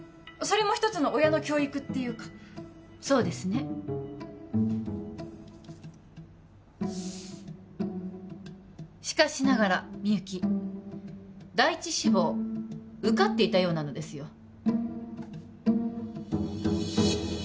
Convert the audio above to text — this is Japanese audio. それも一つの親の教育っていうかそうですねしかしながらみゆき第一志望受かっていたようなのですよ